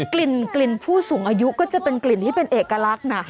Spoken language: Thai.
กลิ่นผู้สูงอายุก็จะเป็นกลิ่นที่เป็นเอกลักษณ์นะ